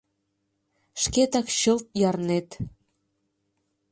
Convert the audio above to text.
Шкетак чылт ярнет.